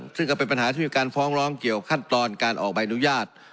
ซึ่งก็เป็นปัญหาที่มีการฟ้องร้องเกี่ยวขั้นตอนการออกใบอนุญาต